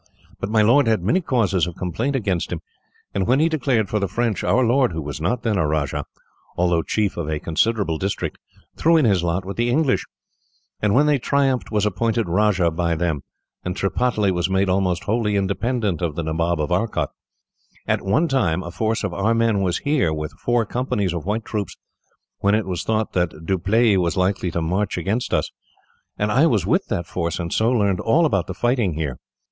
But my lord had many causes of complaint against him, and when he declared for the French, our lord, who was not then a rajah, although chief of a considerable district, threw in his lot with the English; and, when they triumphed, was appointed rajah by them, and Tripataly was made almost wholly independent of the Nabob of Arcot. At one time a force of our men was here, with four companies of white troops, when it was thought that Dupleix was likely to march against us; and I was with that force, and so learned all about the fighting here."